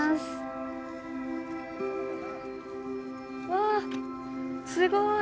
わすごい。